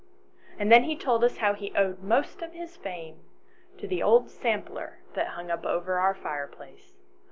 And then he told us how he owed most of his fame to the old sampler that hung up over our fireplace.